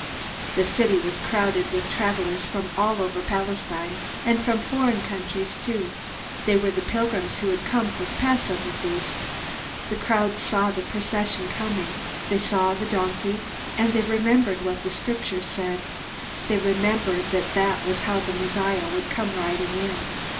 '" The city was crowded with travelers from all over Palestine, and from foreign countries too. They were the pilgrims who had come for the Passover feast. The crowds saw the procession coming. They saw the donkey, and they remembered what the Scriptures said. They remembered that that was how the Messiah would come riding in.